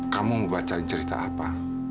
kamu mau bacain cerita apa